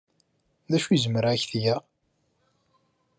D acu ay zemreɣ ad ak-t-geɣ?